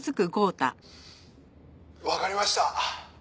「わかりました」